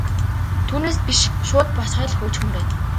Түүнээс биш шууд босгоод л хөөчихмөөр байна.